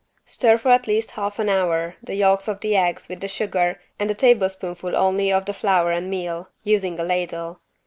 Stir for at least half an hour the yolks of the eggs with the sugar and a tablespoonful only of the flour and meal, using a ladle.